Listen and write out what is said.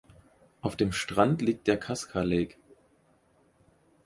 Auf dem Strand liegt der Kaska Lake.